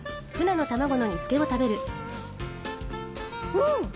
うん！